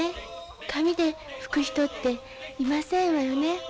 紙で拭く人っていませんわよね。